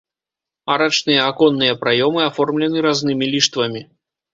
Арачныя аконныя праёмы аформлены разнымі ліштвамі.